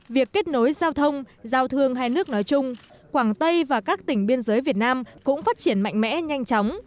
việc kết nối giao thông giao thương hai nước nói chung quảng tây và các tỉnh biên giới việt nam cũng phát triển mạnh mẽ nhanh chóng